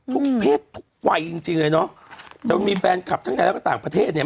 ทุกเพศทุกวัยจริงจริงเลยเนอะจะมีแฟนคลับทั้งในแล้วก็ต่างประเทศเนี่ย